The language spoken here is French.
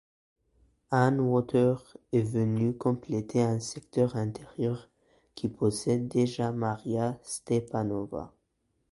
Ann Wauters est venue compléter un secteur intérieur qui possède déjà Maria Stepanova.